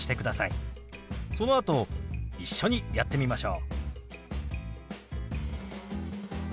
そのあと一緒にやってみましょう。